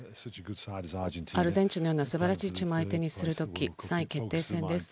アルゼンチンのようなすばらしいチームを相手にする時３位決定戦です。